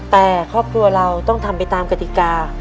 แต่ครอบครัวเราต้องทำไปตามกติกา